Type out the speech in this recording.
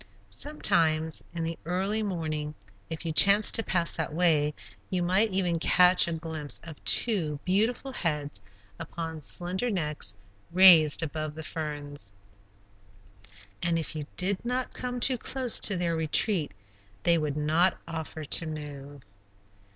Sometimes, in the early morning, if you chanced to pass that way, you might even catch a glimpse of two beautiful heads upon slender necks raised above the ferns, and if you did not come too close to their retreat, they would not offer to move.